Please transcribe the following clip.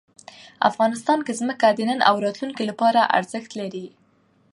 افغانستان کې ځمکه د نن او راتلونکي لپاره ارزښت لري.